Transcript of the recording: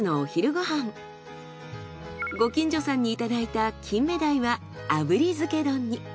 ご近所さんにいただいた金目鯛は炙り漬け丼に。